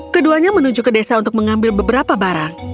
keduanya menuju ke desa untuk mengambil beberapa barang